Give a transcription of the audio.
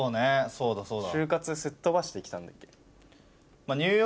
そうだそうだ。